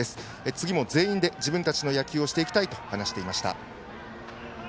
次も全員で、チームの野球をしていきたいと話していました。